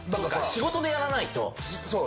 仕事でやんないと。